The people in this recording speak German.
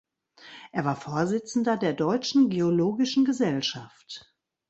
Er war Vorsitzender der Deutschen Geologischen Gesellschaft.